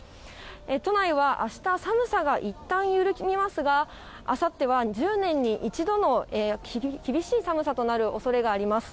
都内はあした、寒さがいったん緩みますが、あさっては１０年に１度の厳しい寒さとなるおそれがあります。